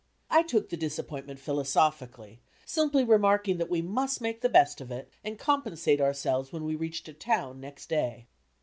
I took the disappointment philosophically, simply remarking that we must make the best of it and compensate ourselves when we reached a town next day.